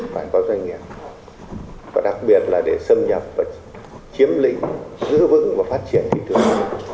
phải có doanh nghiệp và đặc biệt là để xâm nhập và chiếm lĩnh giữ vững và phát triển thị trường